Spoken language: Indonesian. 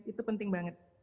itu penting banget